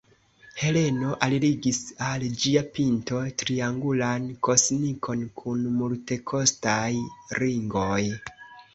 Heleno alligis al ĝia pinto triangulan kosnikon kun multekostaj ringoj.